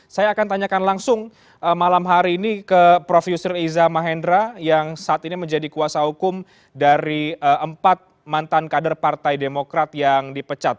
saya akan tanyakan langsung malam hari ini ke prof yusril iza mahendra yang saat ini menjadi kuasa hukum dari empat mantan kader partai demokrat yang dipecat